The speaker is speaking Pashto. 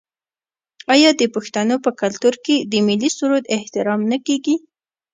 آیا د پښتنو په کلتور کې د ملي سرود احترام نه کیږي؟